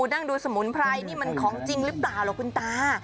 นั่งดูสมุนไพรนี่มันของจริงหรือเปล่าหรอคุณตา